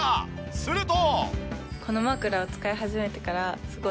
すると！